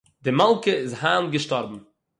די מלכּה איז הײַנט געשטאָרבן.